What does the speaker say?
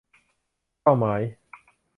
เป้าหมาย